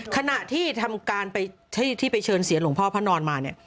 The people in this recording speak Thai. ขณะที่ทำการไปเชิญเซียนหลวงพ่อพระนอนมา